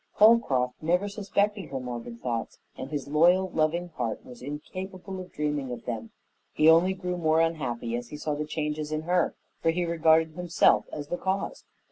Holcroft never suspected her morbid thoughts, and his loyal, loving heart was incapable of dreaming of them. He only grew more unhappy as he saw the changes in her, for he regarded himself as the cause.